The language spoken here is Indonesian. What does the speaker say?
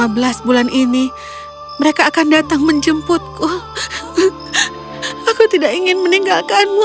pada hari kelima belas bulan ini mereka akan datang menjemputku aku tidak ingin meninggalkanmu